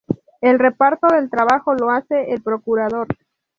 El reparto del trabajo lo hace el procurador.